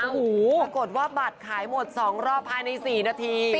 ปรากฏว่าบัตรขายหมด๒รอบภายใน๔นาที